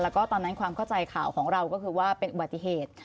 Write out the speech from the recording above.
แล้วก็ตอนนั้นความเข้าใจข่าวของเราก็คือว่าเป็นอุบัติเหตุ